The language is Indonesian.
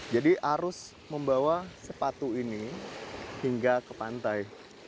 jadi harus membawa sepatu ini hingga ke pantai